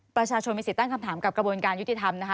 ประชาชนมีสิทธิ์ตั้งคำถามกับกระบวนการยุติธรรมนะคะ